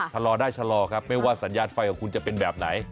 ชะลอได้ชะลอครับไม่ว่าสัญญาณไฟของคุณจะเป็นแบบไหน